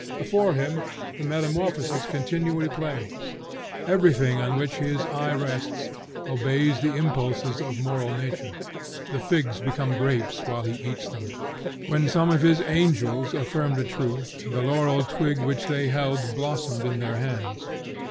Before him the metamorphosis continually plays. Everything on which his eye rests, obeys the impulses of moral nature. The figs become grapes whilst he eats them. When some of his angels affirmed a truth, the laurel twig which they held blossomed in their hands.